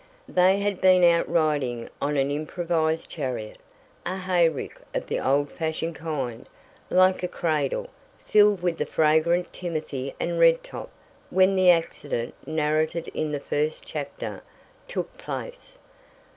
They had been out riding on an improvised chariot a hayrick of the old fashioned kind, like a cradle, filled with the fragrant timothy and redtop, when the accident, narrated in the first chapter, took place.